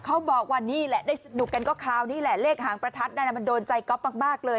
เขาบอกว่านี่แหละได้สนุกกันก็คราวนี้แหละเลขหางประทัดนั่นมันโดนใจก๊อฟมากเลย